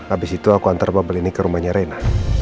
abis itu aku antar bubble ini ke rumahnya renna